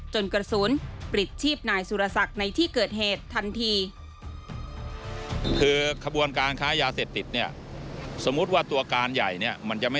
จนกระสุนปลิดชีพนายสุรศักดิ์ในที่เกิดเหตุทันที